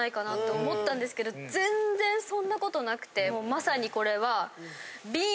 まさにこれは。